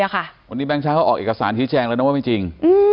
วันนี้แบงค์เช้าเขาออกเอกสารชี้แจงแล้วนะว่าไม่จริง